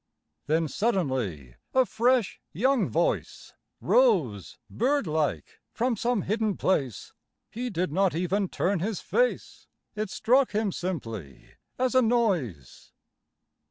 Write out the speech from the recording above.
Then suddenly a fresh young voice Rose, bird like, from some hidden place, He did not even turn his face— It struck him simply as a noise.